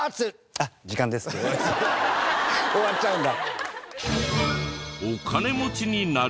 終わっちゃうんだ。